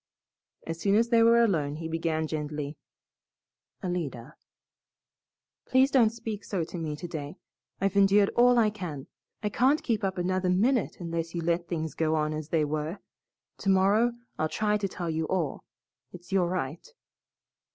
As soon as they were alone, he began gently, "Alida " "Please don't speak so to me today. I've endured all I can. I can't keep up another minute unless you let things go on as they were. Tomorrow I'll try to tell you all. It's your right."